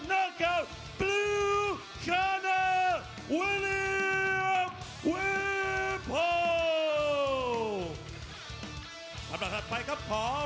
ทุกคนทุกคนทุกคน